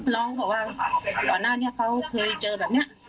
น้องบอกว่าเดาะหน้าเขาเคยเจอแบบนี้